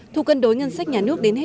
thủ cân đối ngân sách nhà nước đến hẹn